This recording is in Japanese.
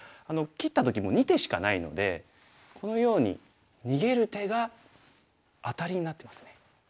切った時も２手しかないのでこのように逃げる手がアタリになってますね。